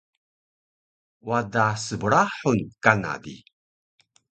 wada sbrahun kana di